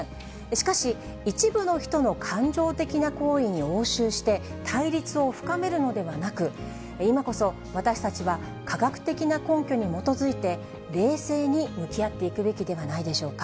しかし、一部の人の感情的な行為に応酬して、対立を深めるのではなく、今こそ、私たちは科学的な根拠に基づいて冷静に向き合っていくべきではないでしょうか。